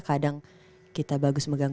kadang kita bagus megang